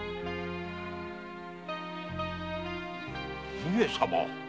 上様。